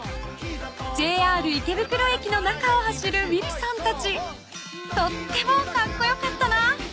［ＪＲ池袋駅の中を走るウィルソンたちとってもカッコよかったな！］